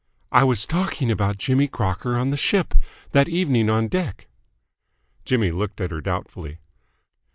"I was talking about Jimmy Crocker on the ship. That evening on deck." Jimmy looked at her doubtfully.